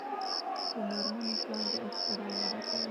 د میرمنو کار د اختراع وده کوي.